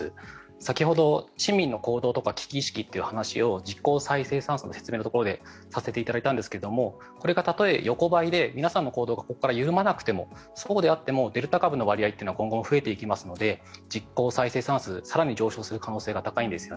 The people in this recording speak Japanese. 先ほど、市民の行動とか危機意識という話を実効再生産数の説明のところでさせていただいたんですがこれが、たとえ横ばいで皆さんの行動がここから緩まなくてもそうであってもデルタ株の割合は今後増えていくので実効再生産数は更に上昇していく可能性が高いです。